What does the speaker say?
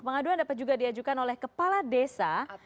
pengaduan dapat juga diajukan oleh kepala desa